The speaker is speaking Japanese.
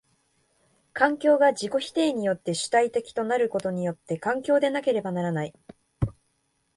環境が自己否定によって主体的となることによって環境でなければならない。